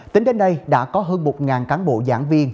tính đến nay đã có hơn một cán bộ giảng viên